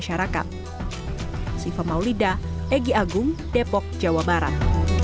sifam maulidah egy agung depok jawa barat